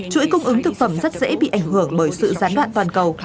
chuỗi cung ứng thực phẩm rất dễ bị ảnh hưởng bởi sự gián đoạn toàn cầu